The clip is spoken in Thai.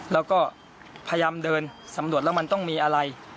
แล้วก็พยายามเดินสำรวจแล้วมันต้องมีอะไร